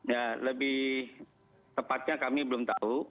ya lebih tepatnya kami belum tahu